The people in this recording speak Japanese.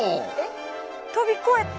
飛び越えた。